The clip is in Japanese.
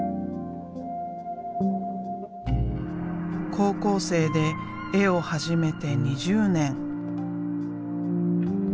高校生で絵を始めて２０年。